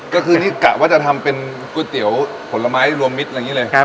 ก็คือนี่กะว่าจะทำเป็นก๋วยเตี๋ยวผลไม้รวมมิตรอะไรอย่างนี้เลย